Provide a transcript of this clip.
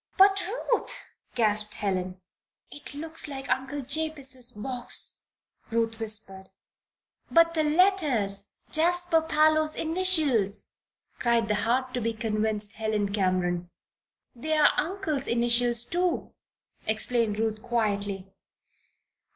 "But, Ruth!" gasped Helen. "It looks like Uncle Jabez's box," Ruth whispered. "But the letters! Jasper Parloe's initials," cried the hard to be convinced Helen Cameron. "They're uncle's initials, too," explained Ruth, quietly.